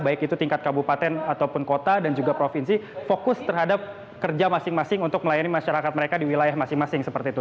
baik itu tingkat kabupaten ataupun kota dan juga provinsi fokus terhadap kerja masing masing untuk melayani masyarakat mereka di wilayah masing masing seperti itu